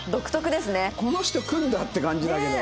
この人来るんだって感じだけど。